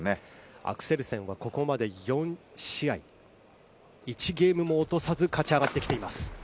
アクセルセンはここまで４試合、１ゲームも落とさず勝ち上がってきています。